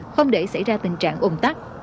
không để xảy ra tình trạng ồn tắc